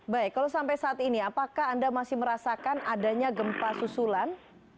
baik kalau sampai saat ini apakah anda masih merasakan adanya gempa susulan